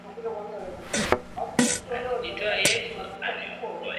Alijitoa Yesu, aniokoe.